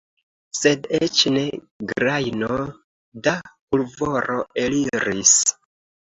Sed eĉ ne grajno da pulvoro eliris.